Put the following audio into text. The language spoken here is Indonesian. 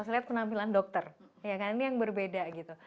lihat penampilan dokter ini yang berbeda